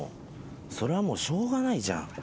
それはもうしょうがないじゃん。